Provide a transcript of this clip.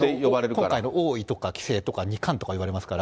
今回の王位とか棋聖とか二冠とかいわれますから。